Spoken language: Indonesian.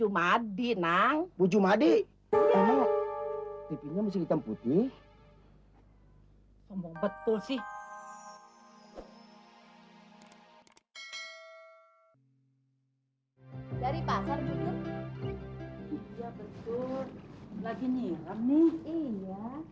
madi nang bu jumadi ini lebih hitam putih hai betul sih dari pasar betul lagi nih ini